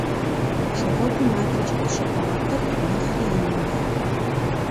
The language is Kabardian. Шыгъуэгум адэкӏэ къыщыӏу макъыр нэхъри ин мэхъу.